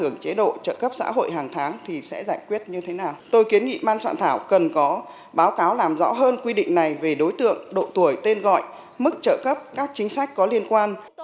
nó làm rõ hơn quy định này về đối tượng độ tuổi tên gọi mức trợ cấp các chính sách có liên quan